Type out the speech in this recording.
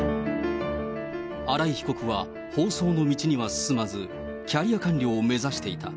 新井被告は法曹の道には進まず、キャリア官僚を目指していた。